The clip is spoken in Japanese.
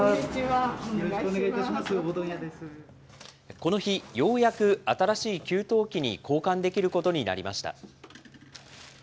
この日、ようやく新しい給湯器に交換できることになりました。